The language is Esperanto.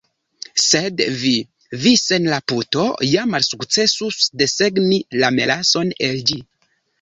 Sed vi, vi sen la puto ja malsukcesus desegni la melason el ĝi!"